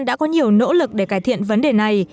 đã có nhiều nỗ lực để cải thiện vấn đề này